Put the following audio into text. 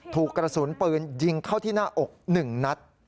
ถูกกระสุนปืนยิงเข้าที่หน้าอก๑นัด